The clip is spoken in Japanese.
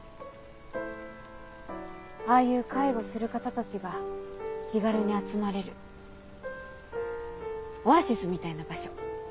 ああいう介護する方たちが気軽に集まれるオアシスみたいな場所。